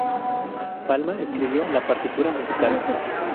Palma escribió la partitura musical.